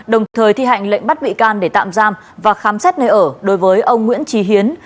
đồng thời thi hành lệnh bắt bị can để tạm giam và khám xét nơi ở đối với ông nguyễn trí hiến